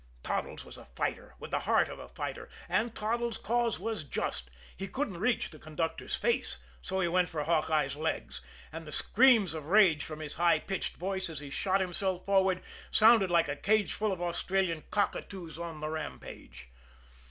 Toddles was a fighter with the heart of a fighter. And Toddles' cause was just. He couldn't reach the conductor's face so he went for Hawkeye's legs. And the screams of rage from his high pitched voice, as he shot himself forward, sounded like a cageful of Australian cockatoos on the rampage.